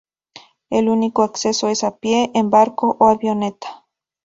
El único acceso es a pie, en barco o avioneta.